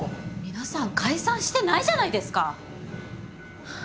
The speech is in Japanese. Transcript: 皆さん解散してないじゃないですか！